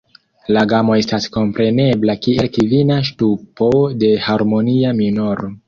La gamo estas komprenebla kiel kvina ŝtupo de harmonia minoro.